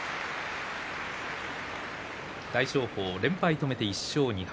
大翔鵬、連敗を止めて１勝２敗。